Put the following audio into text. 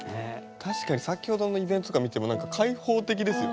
確かに先ほどのイベントとか見ても何か開放的ですよね。